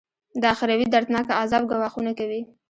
د اخروي دردناکه عذاب ګواښونه کوي.